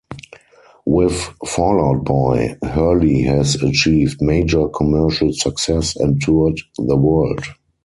With Fall Out Boy, Hurley has achieved major commercial success and toured the world.